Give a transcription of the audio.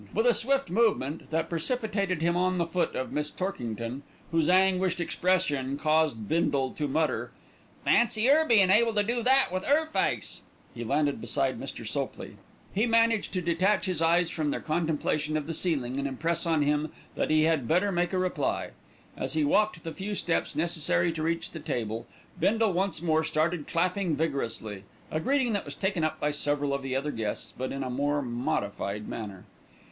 With a swift movement which precipitated him on the foot of Miss Torkington (whose anguished expression caused Bindle to mutter, "Fancy 'er bein' able to do that with 'er face!"), he landed beside Mr. Sopley. He managed to detach his eyes from their contemplation of the ceiling and impress on him that he had better make a reply. As he walked the few steps necessary to reach the table, Bindle once more started clapping vigorously, a greeting that was taken up by several of the other guests, but in a more modified manner.